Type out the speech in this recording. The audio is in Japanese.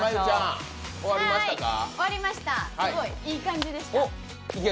すごい、いい感じでした。